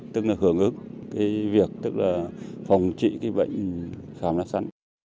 tức là hưởng ước việc phòng trị bệnh khảm lá sắn